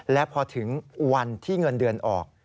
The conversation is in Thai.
และพอถึงวันที่เงินเดือนออก